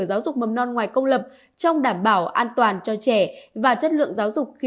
giáo dục mầm non ngoài công lập trong đảm bảo an toàn cho trẻ và chất lượng giáo dục khi